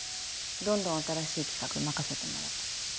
どんどん新しい企画任せてもらってる。